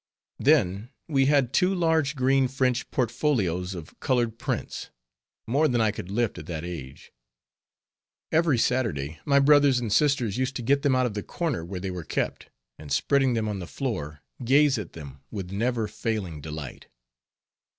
Then, we had two large green French portfolios of colored prints, more than I could lift at that age. Every Saturday my brothers and sisters used to get them out of the corner where they were kept, and spreading them on the floor, gaze at them with never failing delight.